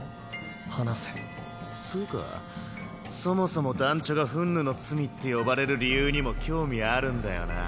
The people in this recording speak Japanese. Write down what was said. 放せつぅかそもそも団ちょが憤怒の罪って呼ばれる理由にも興味あるんだよな